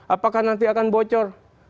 apakah nanti akan bocor